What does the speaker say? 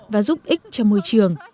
và giúp ích cho môi trường